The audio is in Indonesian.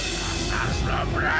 tidak tak perlu berat